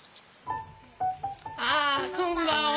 あこんばんは。